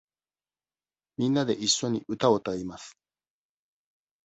みんなでいっしょに歌を歌います。